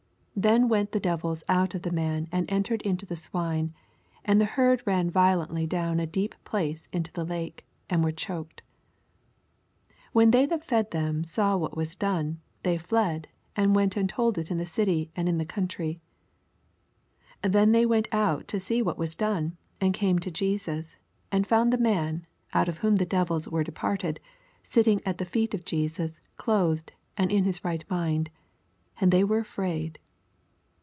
88 Then went the devils out of the man, and entered into the swine : and the herd ran violently down a deep place into the lake, and were choked. 84 When they that fed them saw what was done, they fled, and went and told U in the city and in the coantay. 85 Then they went out to see what was done ; and came to Jesus, and found the man. out of whom the devils were departed, sitting at the feet o| Jesus clothed, and in nis right mind : and they were afraid.